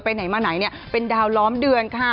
ไหนมาไหนเนี่ยเป็นดาวล้อมเดือนค่ะ